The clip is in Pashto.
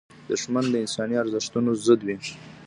دښمن د انساني ارزښتونو ضد وي